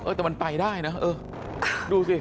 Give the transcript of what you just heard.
แต่มันไปได้นะเออดูสิ